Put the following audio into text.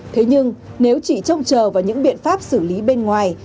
thế nhưng nếu chỉ trông chờ vào những biện pháp xử lý bên ngoài